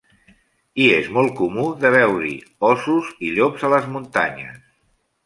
Hi és molt comú de veure-hi ossos i llops a les muntanyes.